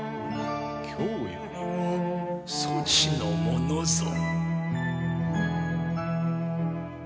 今日よりはそちのものぞ。